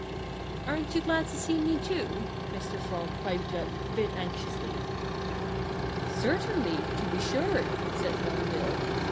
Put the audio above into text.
"Aren't you glad to see me, too?" Mr. Frog piped up a bit anxiously. "Certainly to be sure!" said Long Bill.